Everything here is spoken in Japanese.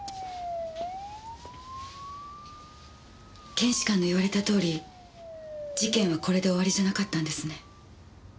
検視官の言われたとおり事件はこれで終わりじゃなかったんですね。